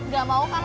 gak mau kan lo